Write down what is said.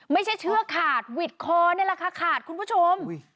เชือกขาดหวิดคอนี่แหละค่ะขาดคุณผู้ชม